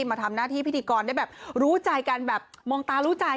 มาทำหน้าที่พิธีกรได้แบบรู้ใจกันแบบมองตารู้ใจ